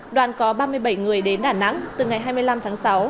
đoàn có ba mươi bảy người đến đà nẵng từ ngày hai mươi năm tháng sáu